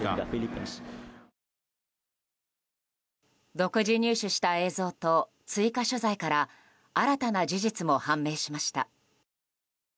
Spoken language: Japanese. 独自入手した映像と追加取材から新たな事実も判明しました。